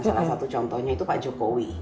salah satu contohnya itu pak jokowi